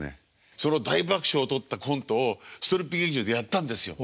その大爆笑を取ったコントをストリップ劇場でやったんですよ。